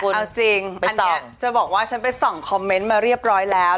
เอาจริงอันนี้จะบอกว่าฉันไปส่องคอมเมนต์มาเรียบร้อยแล้ว